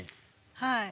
はい。